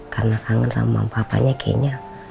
karena kangen sama mama papanya kayaknya